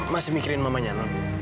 masih mikirin mamanya non